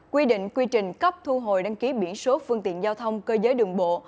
quy định quy trình cấp thu hồi đăng ký biển số phương tiện giao thông cơ giới đường bộ